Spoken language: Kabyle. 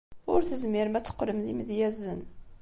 Ur tezmirem ad teqqlem d imedyazen.